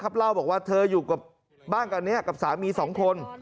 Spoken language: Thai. ครับเล่าบอกว่าเธออยู่กับบ้านกันเนี่ยกับสามีสองคน